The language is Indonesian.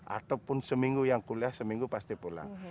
ataupun seminggu yang kuliah seminggu pasti pulang